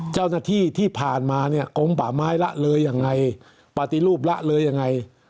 เจ้าหน้าที่ที่ผ่านมาเนี่ยกลมป่าไม้ละเลยยังไงปลาติรูปละเลยยังไง